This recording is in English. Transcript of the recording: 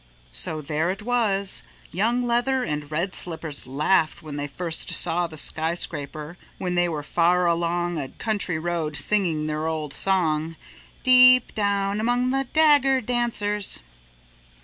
So there it was. Young Leather and Red Slippers laughed when they first saw the skyscraper, when they were far off along a country road singing their old song, "Deep Down Among the Dagger Dancers."